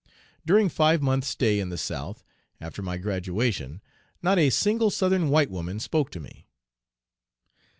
During five months' stay in the South, after my graduation, not a single Southern white woman spoke to me.